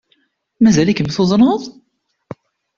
Mazal-ikem tuḍneḍ?